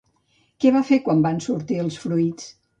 Què va fer quan van sortir els fruits?